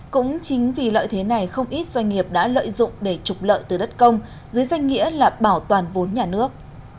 cũng chính vì lợi thế này không ít doanh nghiệp đã lợi dụng để trục lợi từ đất công dưới danh nghĩa là bảo toàn vốn nhà nước